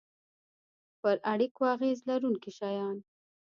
پر اړیکو اغیز لرونکي شیان